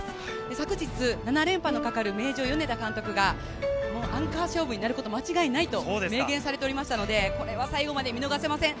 昨日７連覇のかかる名城・米田監督がアンカー勝負になること間違いないと明言されておりましたので、これは最後まで見逃せません。